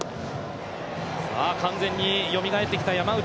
完全によみがえってきた山内。